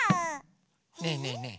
ねえねえねえ。